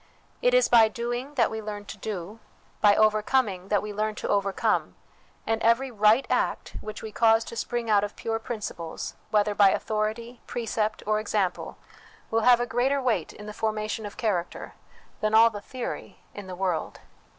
It is by doing, that we learn to do ; by overcoming, that we learn to over come ; and every right act which we cause to spring out of pure principles, whether by authority, precept, or example, will have a greater weight in the formation of character than all the theory in the world."